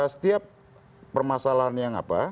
setiap permasalahan yang apa